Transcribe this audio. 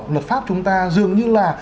luật pháp chúng ta dường như là